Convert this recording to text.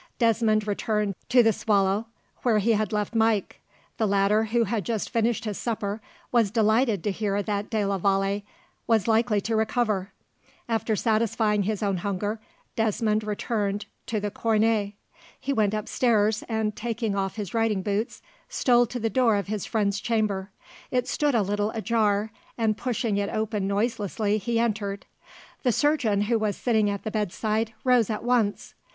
Desmond returned to the Soleil, where he had left Mike. The latter, who had just finished his supper, was delighted to hear that de la Vallee was likely to recover. After satisfying his own hunger, Desmond returned to the Couronne. He went upstairs, and, taking off his riding boots, stole to the door of his friend's chamber. It stood a little ajar, and, pushing it open noiselessly, he entered. The surgeon, who was sitting at the bedside, rose at once.